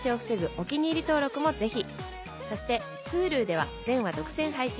お気に入り登録もぜひそしてＨｕｌｕでは全話独占配信